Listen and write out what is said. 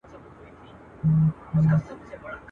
لپی لپی یې لا ورکړل غیرانونه.